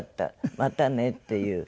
またね」っていう。